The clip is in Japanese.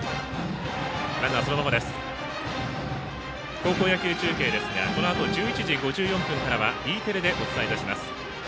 高校野球中継ですがこのあと１１時５４分からはＥテレでお伝えいたします。